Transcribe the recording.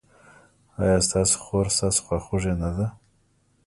ایا ستاسو خور ستاسو خواخوږې نه ده؟